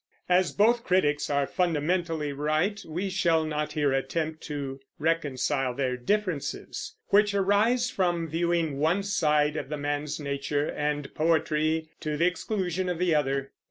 As both critics are fundamentally right, we shall not here attempt to reconcile their differences, which arise from viewing one side of the man's nature and poetry to the exclusion of the other.